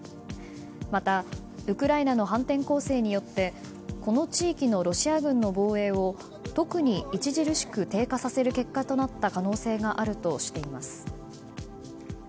またウクライナの反転攻勢によってこの地域のロシア軍の防衛を特に著しく低下させる結果となった可能性があるとしています。